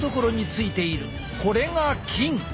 これが菌。